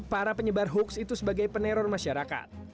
para penyebar hoax itu sebagai peneror masyarakat